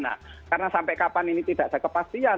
nah karena sampai kapan ini tidak ada kepastian